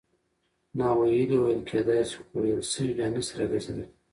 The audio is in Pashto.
ناویلي ویل کېدای سي؛ خو ویل سوي بیا نه سي راګرځېدلای.